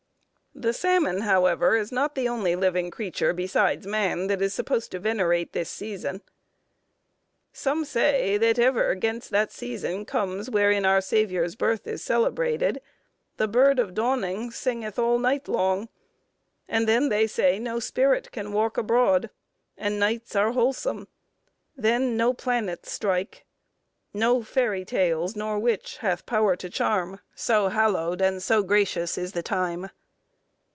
The salmon, however, is not the only living creature, besides man, that is supposed to venerate this season. "Some say, that ever 'gainst that season comes Wherein our Saviour's birth is celebrated, The bird of dawning singeth all night long: And then, they say, no spirit can walk abroad; The nights are wholesome; then no planets strike; No fairy tales, nor witch hath power to charm, So hallow'd and so gracious is the time."